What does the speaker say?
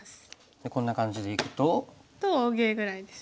でこんな感じでいくと。と大ゲイぐらいです。